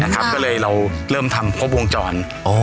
ก็เลยเราเริ่มทำครบวงจร